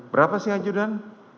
berapa sih ajudan